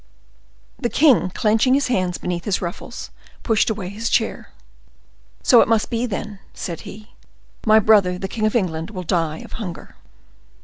The king, clenching his hands beneath his ruffles, pushed away his chair. "So it must be then!" said he; "my brother the king of England will die of hunger."